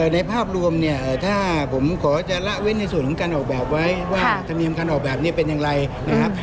ในภาพรวมเนี่ยถ้าผมขอจะละเว้นในส่วนของการออกแบบไว้ว่าธรรมเนียมการออกแบบนี้เป็นอย่างไรนะครับ